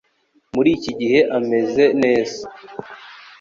Muri iki gihe ameze neza